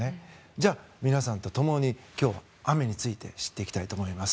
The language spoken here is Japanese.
じゃあ皆さんと共に今日、雨について知っていきたいと思います。